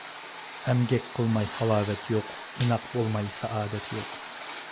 ئەمگەك قىلماي ھالاۋەت يوق، ئىناق بولماي سائادەت يوق.